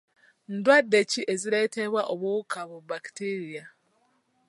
Ndwadde ki ezireetebwa obuwuka bu bakitiiriya?